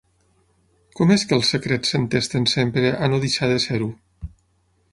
Com és que els secrets s'entesten sempre a no deixar de ser-ho?